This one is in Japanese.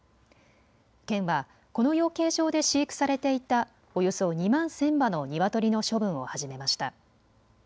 県はこの養鶏場で飼育されていたおよそ２万１０００羽のニワトリの処分を始めました。